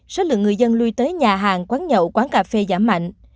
số lượng người dân lui tới nhà hàng quán nhậu quán cà phê giảm mạnh